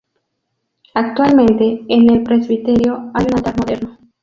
Actualmente, en el presbiterio, hay un altar moderno.